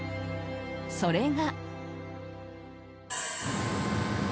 ［それが］